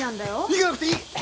行かなくていい！